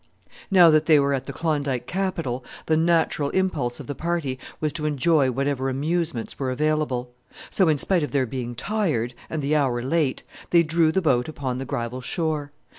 Now that they were at the Klondike capital, the natural impulse of the party was to enjoy whatever amusements were available; so, in spite of their being tired, and the hour late, they drew the boat upon the gravel shore.